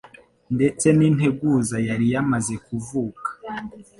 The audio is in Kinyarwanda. Ndetse n'integuza yari yamaze kuvuka,